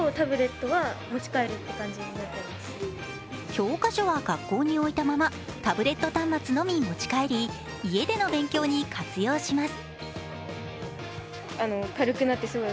教科書は学校に置いたままタブレット端末のみ持ち帰り家での勉強に活用します。